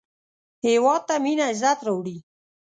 هېواد ته مینه عزت راوړي